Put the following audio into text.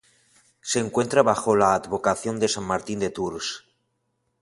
Se encuentra bajo la advocación de San Martín de Tours.